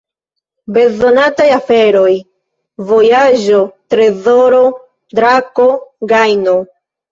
Bezonataj aferoj: vojaĝo, trezoro, drako, gajno.